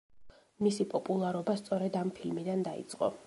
მისი პოპულარობა სწორედ ამ ფილმიდან დაიწყო.